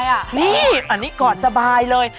อันนี้กอดสบายเลย